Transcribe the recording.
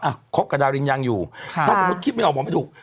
คบกับดารินยังอยู่ถ้าสมมุติคิดไม่ออกบอกไม่ถูก